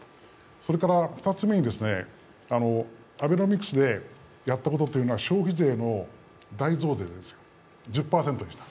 それから２つ目に、アベノミクスでやったことというのは消費税の大増税ですよ、１０％でした。